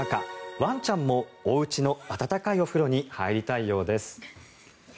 ワンちゃんもおうちの温かいお風呂に入りたいようです。